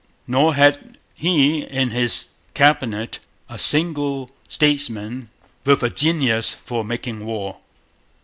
Nor had he in his Cabinet a single statesman with a genius for making war.